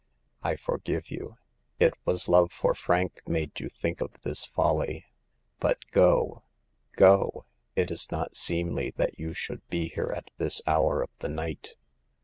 " I forgive you ; it was love for Frank made you think of this folly. But go— go ! it is not seemly that you should be here at this hour of the night."